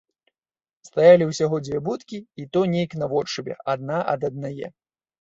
Стаялі ўсяго дзве будкі, і то нейк наводшыбе адна ад аднае.